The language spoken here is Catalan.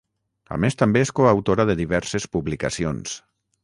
A més també és coautora de diverses publicacions.